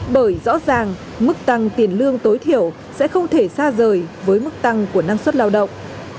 bởi rõ ràng mức tăng tiền lương tối thiểu sẽ không thể xa rời với mức tăng của năng suất lao động